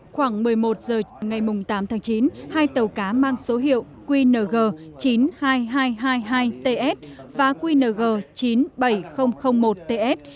khoảng một mươi một h ngày tám tháng chín hai tàu cá mang số hiệu qng chín mươi hai nghìn hai trăm hai mươi hai ts và qng chín mươi bảy nghìn một ts